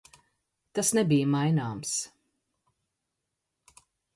Tas nebija main?ms.